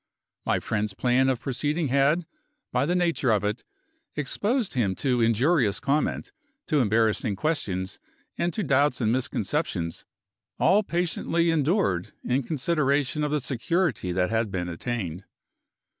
My friend's plan of proceeding had, by the nature of it, exposed him to injurious comment, to embarrassing questions, and to doubts and misconceptions, all patiently endured in consideration of the security that had been attained.